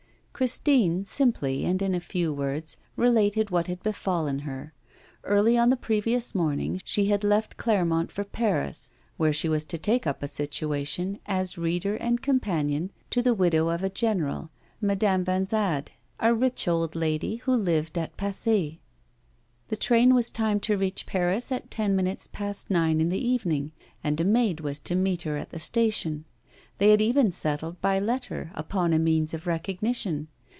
Christine simply, and in a few words, related what had befallen her. Early on the previous morning she had left Clermont for Paris, where she was to take up a situation as reader and companion to the widow of a general, Madame Vanzade, a rich old lady, who lived at Passy. The train was timed to reach Paris at ten minutes past nine in the evening, and a maid was to meet her at the station. They had even settled by letter upon a means of recognition.